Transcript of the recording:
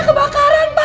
sekarang kamu makan ya